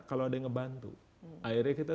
kalau ada yang ngebantu akhirnya kita